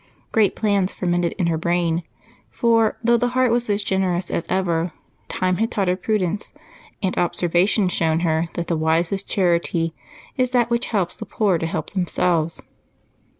Great plans fermented in her brain, for, though the heart was as generous as ever, time had taught her prudence and observation shown her that the wisest charity is that which helps the poor to help themselves.